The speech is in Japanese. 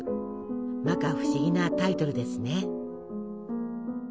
まか不思議なタイトルですね。